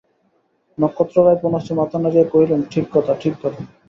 নক্ষত্ররায় পুনশ্চ মাথা নাড়িয়া কহিলেন, ঠিক কথা, ঠিক কথা।